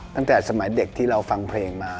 ตั้งแต่สมัยเด็กที่เราฟังเพลงมา